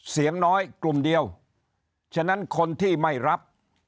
เสียงน้อยกลุ่มเดียวฉะนั้นคนที่ไม่รับ